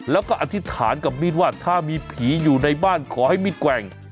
แล้วก็อธิษฐานกับมีดว่าถ้ามีผีอยู่ในบ้านขอให้มีดแกว่ง